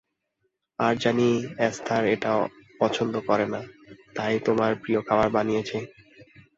আর জানি এস্থার এটা পছন্দ করে না, তাই তোমার প্রিয় খাবার বানিয়েছি।